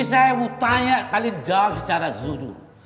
ini saya mau tanya kalian jawab secara jujur